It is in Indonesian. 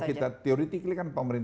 itu selalu saya pegang